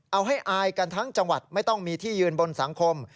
เอาให้อายกันทั้งจังหวัดไม่ต้องมีที่ยืนบนสังคม